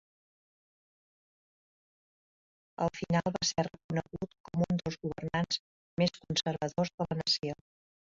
Al final va ser reconegut com un dels governants més conservadors de la nació.